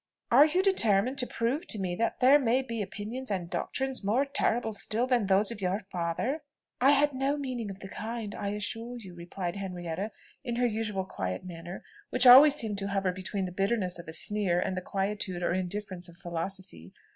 Are you determined to prove to me that there may be opinions and doctrines more terrible still than those of your father?" "I had no meaning of the kind, I assure you," replied Henrietta, in her usual quiet manner, which always seemed to hover between the bitterness of a sneer, and the quietude or indifference of philosophy.